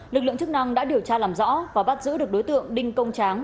lực lượng chức năng đã điều tra làm rõ và bắt giữ được đối tượng đinh công tráng